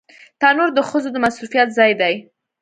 تنور د ښځو د مصروفيت ځای دی